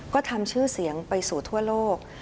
ก็ทำชื่อเสียงไปสู่ทั่วโลก